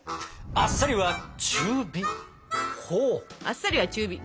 「あっさりは中火」。